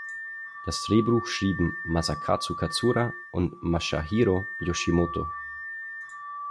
Das Drehbuch schrieben Masakazu Katsura und Masahiro Yoshimoto.